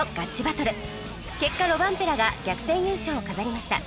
結果ロバンペラが逆転優勝を飾りました